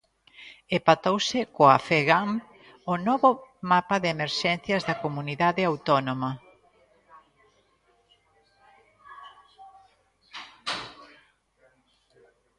E pactouse coa Fegamp o novo mapa de emerxencias da Comunidade Autónoma.